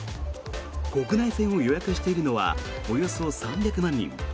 国内線を予約しているのはおよそ３００万人。